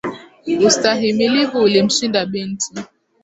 Ustahimilivu ulimshinda binti.